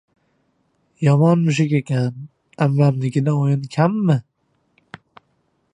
Yomon mushuk ekan. Ammamnikida o‘yin kammi!